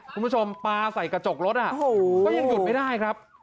ปลาใส่กระจกรถก็ยังหยุดไม่ได้ครับ